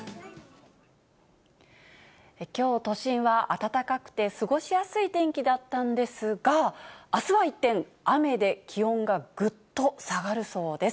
きょう、都心は暖かくて過ごしやすい天気だったんですが、あすは一転、雨で気温がぐっと下がるそうです。